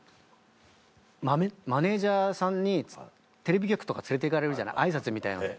マネージャーさんにテレビ局とか連れて行かれるじゃない挨拶みたいなので。